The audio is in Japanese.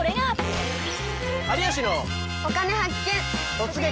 「突撃！